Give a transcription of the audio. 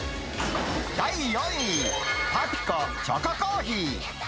第４位、パピコチョココーヒー。